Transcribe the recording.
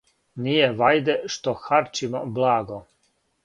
Није вајде што харчимо благо,